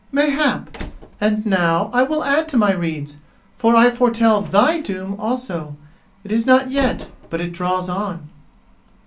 "Mayhap! And now I will add to my redes, for I foretell thy doom also: it is not yet, but it draws on."